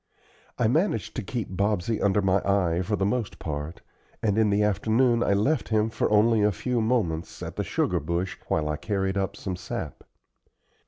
I managed to keep Bobsey under my eye for the most part, and in the afternoon I left him for only a few moments at the sugar bush while I carried up some sap.